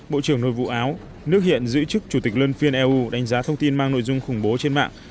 bộ trưởng nội vụ áo nước hiện giữ chức chủ tịch luân phiên eu đánh giá thông tin mang nội dung khủng bố trên mạng